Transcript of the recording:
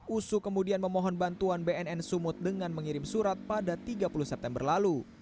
usu kemudian memohon bantuan bnn sumut dengan mengirim surat pada tiga puluh september lalu